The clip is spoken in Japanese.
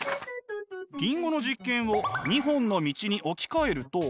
リンゴの実験を２本の道に置き換えると。